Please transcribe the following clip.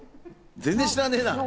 全然知らねえな。